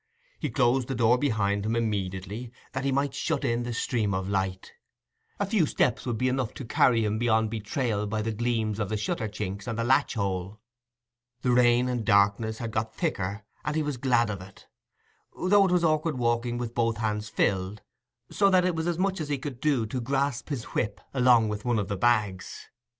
He closed the door behind him immediately, that he might shut in the stream of light: a few steps would be enough to carry him beyond betrayal by the gleams from the shutter chinks and the latch hole. The rain and darkness had got thicker, and he was glad of it; though it was awkward walking with both hands filled, so that it was as much as he could do to grasp his whip along with one of the bags.